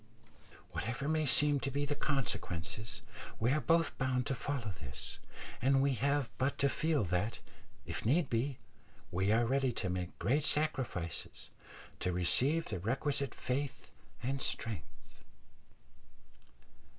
Whatever may seem to be the consequences, we are both bound to follow this, and we have but to feel that, if need be, we are ready to make great sacrifices to receive the requisite faith and strength.